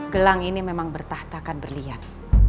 gelang ini memang bertahtakan berlian